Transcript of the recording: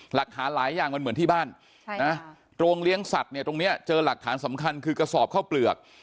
หลักฐานหลายอย่างมันเหมือนที่บ้านโรงเลี้ยงสัตว์เนี่ยตรงนี้เจอหลักฐานสำคัญคือกระสอบเข้าเปลือก